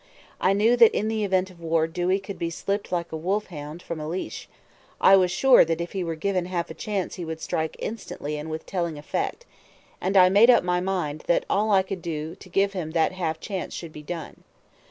I knew that in the event of war Dewey could be slipped like a wolf hound from a leash; I was sure that if he were given half a chance he would strike instantly and with telling effect; and I made up my mind that all I could do to give him that half chance should be done.